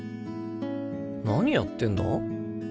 何やってんだ？